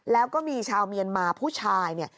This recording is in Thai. แล้วก็มีชาวเมียนมาผู้ชายเนี่ย